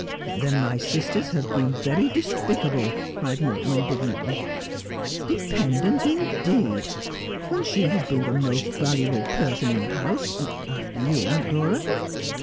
' Then my sisters have been very despicable,' cried Morton indignantly. ' Dependent, indeed ! When she has been the most valuable person in the house— after you, Aunt Dora.